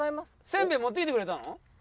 せんべい持ってきてくれたの？